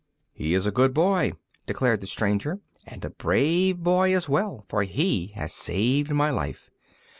"He is a good boy," declared the stranger, "and a brave boy as well, for he has saved my life.